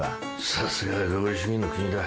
さすがは合理主義の国だ。